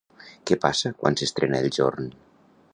Què passa quan s'estrena el jorn?